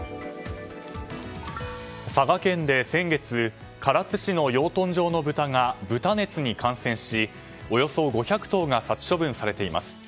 佐賀県で先月唐津市の養豚場の豚が豚熱に感染し、およそ５００頭が殺処分されています。